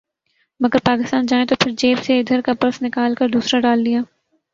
مگر پاکستان جائیں تو پھر جیب سے ادھر کا پرس نکال کر دوسرا ڈال لیا